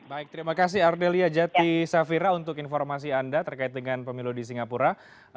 baik terima kasih ardelia jati safira untuk informasi anda terkait dengan pemilu di singapura